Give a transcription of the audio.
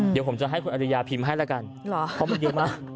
เดี๋ยวผมจะให้คุณอริยาพิมพ์ให้แล้วกันเพราะมันเยอะมาก